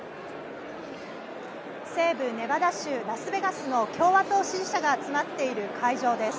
西部ネバダ州ラスベガスの共和党支持者が集まっている会場です。